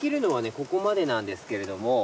ここまでなんですけれども。